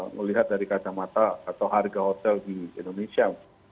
melihat dari kacamata atau harga hotel di indonesia